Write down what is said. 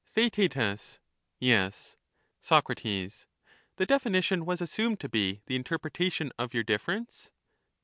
TheaeL Yes. Soc. The definition was assumed to be the interpretation of your difference.